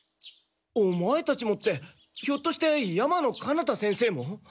「オマエたちも」ってひょっとして山野金太先生も？